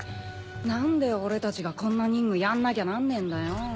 なんで俺たちがこんな任務やんなきゃなんねえんだよ。